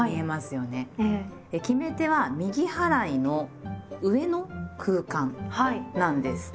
決め手は「右払いの上の空間」なんです。